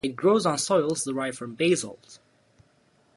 It grows on soils derived from basalt.